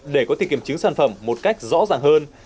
để có thể kiểm chứng sản phẩm một cách rõ ràng hơn